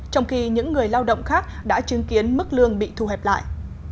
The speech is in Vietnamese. trong khi những người lao động khác đã chứng kiến mức lương bị thu hẹp lại